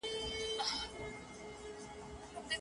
ولي افغان سوداګر ساختماني مواد له ایران څخه واردوي؟